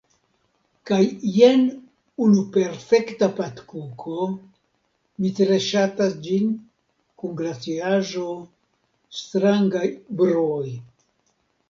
Kaj jen unu perfekta patkuko, mi tre ŝatas ĝin, kun glaciaĵo. strangaj bruoj